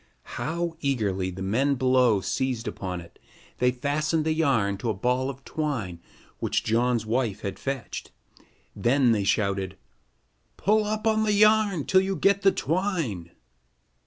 How eagerly the men below seized upon it. They fastened the yarn to a ball of twine which John's wife had fetched. Then they shouted: "Pull up the yarn till you get the twine."